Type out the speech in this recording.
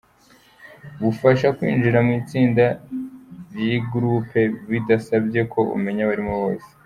bufasha kwinjira mu itsinda ri gurupe bidasabye ko umenya abarimo bose.